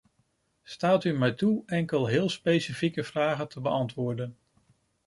Staat u mij toe enkele heel specifieke vragen te beantwoorden.